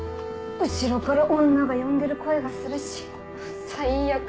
後ろから女が呼んでる声がするし最悪。